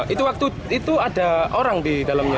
itu waktu itu ada orang di dalamnya